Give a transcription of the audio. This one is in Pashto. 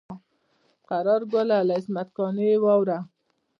قرار ګله له عصمت قانع یې واوره.